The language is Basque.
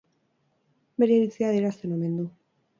Bere iritzia adierazten omen du.